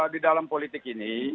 di dalam politik ini